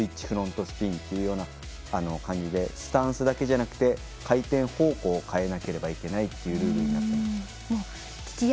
フロントスピンというような感じでスタンスだけじゃなくて回転方向を変えなければいけないっていうルールになっています。